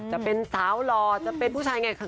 จะเป็นสาวหล่อจะเป็นผู้ชายไงคะ